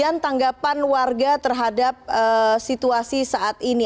tanggapan warga terhadap situasi saat ini